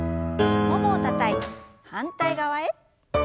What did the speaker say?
ももをたたいて反対側へ。